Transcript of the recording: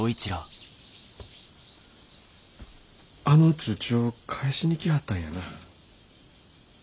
あの通帳返しに来はったんやな。